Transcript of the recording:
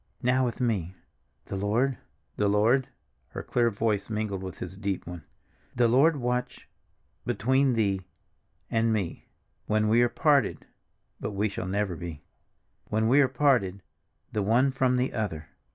Now with me. 'The Lord'—'The Lord,'"—her clear voice mingled with his deep one. "The Lord watch—between thee—and me—when we are parted—(but we never shall be!) when we are parted—the one from the other."